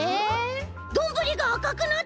どんぶりがあかくなった！